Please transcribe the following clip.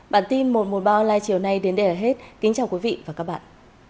bản tin một trăm một mươi ba online chiều nay đến đây là hết kính chào quý vị và các bạn